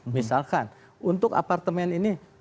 misalkan untuk apartemen ini